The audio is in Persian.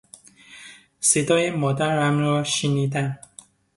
صدای مادرم را شنیدم.